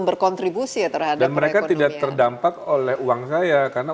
dan mereka mungkin belum berkontribusi terhadap mereka tidak terdampak oleh uang saya karena